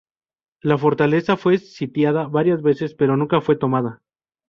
La fortaleza fue sitiada varias veces pero nunca fue tomada.